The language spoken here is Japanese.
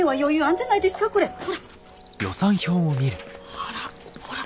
あらほら。